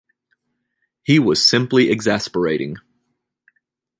He was simply exasperating.